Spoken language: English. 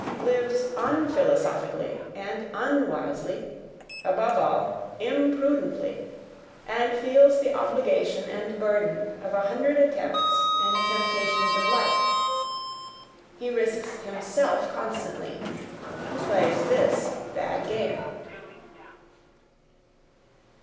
lives "unphilosophically" and "unwisely," above all, IMPRUDENTLY, and feels the obligation and burden of a hundred attempts and temptations of life he risks HIMSELF constantly, he plays THIS bad game.